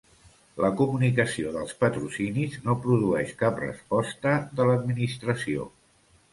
La comunicació dels patrocinis no produeix cap resposta de l'Administració.